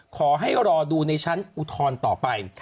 ขอให้รอดูในชั้นอุทธรณ์ต่อไป